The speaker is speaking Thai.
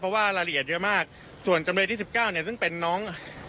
เพราะว่ารายละเอียดเยอะมากส่วนจำเลยที่๑๙เนี่ยซึ่งเป็นน้อง